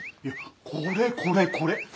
いやこれこれこれ！